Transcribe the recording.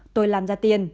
tôi làm ra tiền